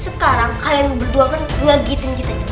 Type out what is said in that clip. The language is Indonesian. sekarang kalian berdua kan ngegitin kita juga